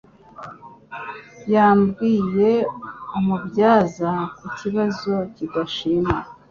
Yabwiye umubyaza Ku kibazo kidashima;